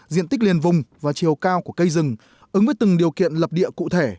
diện tích liền vùng và chiều cao của cây rừng ứng với từng điều kiện lập địa cụ thể